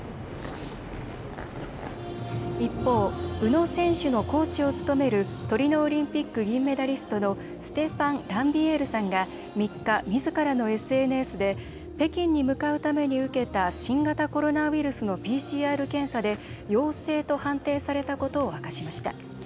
一方、宇野選手のコーチを務めるトリノオリンピック銀メダリストのステファン・ランビエールさんが３日、みずからのＳＮＳで北京に向かうために受けた新型コロナウイルスのＰＣＲ検査で陽性と判定されたことを明かしました。